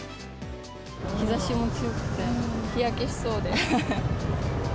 日ざしも強くて、日焼けしそうで。